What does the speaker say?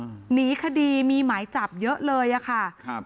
หนีคดีมีหมายจับเยอะเลยอ่ะค่ะครับ